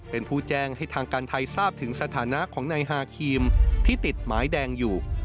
เป็นผู้แจ้งให้ทางการไทยทราบถึงสถานะของนายฮาครีมที่ติดหมายแดงอยู่